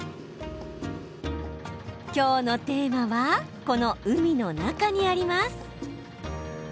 きょうのテーマはこの海の中にあります。